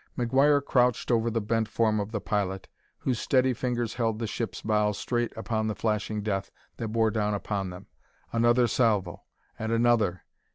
McGuire crouched over the bent form of the pilot, whose steady fingers held the ship's bow straight upon the flashing death that bore down upon them. Another salvo! and another!